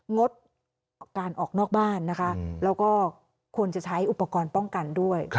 งดออกการออกนอกบ้านนะคะแล้วก็ควรจะใช้อุปกรณ์ป้องกันด้วย